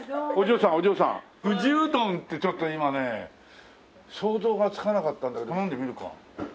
お嬢さんお嬢さん藤うどんってちょっと今ね想像がつかなかったんだけど頼んでみるか。